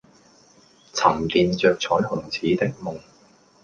沉澱著彩虹似的夢